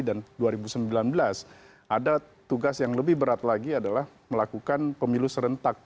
dan dua ribu sembilan belas ada tugas yang lebih berat lagi adalah melakukan pemilu serentak